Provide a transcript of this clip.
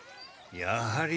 やはり。